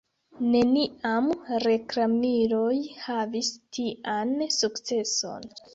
Neniam reklamiloj havis tian sukceson.